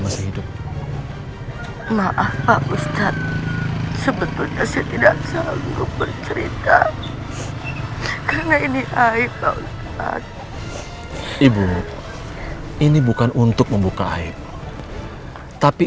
aku udah berkorban buat keluarga